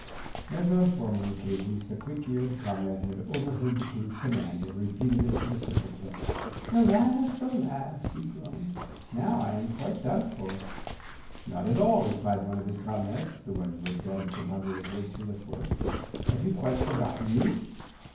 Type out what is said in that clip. As on former occasions, the quick eared comrade had overheard the King's command and repeated it to the Simpleton. 'Alas, alas!' he groaned; 'now I am quite done for.' 'Not at all,' replied one of his comrades (the one who had dragged the bundle of wood through the forest). 'Have you quite forgotten me?